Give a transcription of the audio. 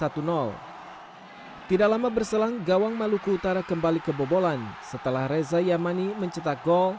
tidak lama berselang gawang maluku utara kembali kebobolan setelah reza yamani mencetak gol